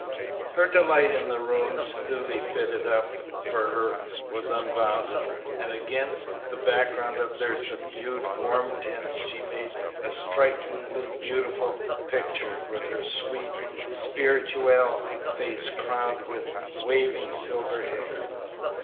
Her delight in the rooms newly fitted up for her was unbounded, and against the background of their subdued, warm tints she made a strikingly beautiful picture, with her sweet, spirituelle face crowned with waving silver hair.